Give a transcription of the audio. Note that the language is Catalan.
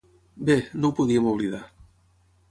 Bé, no ho podíem oblidar.